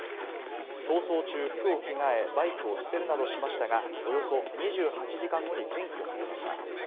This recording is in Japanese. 逃走中、服を着替え、バイクを捨てるなどしましたが、およそ２８時間後に検挙されました。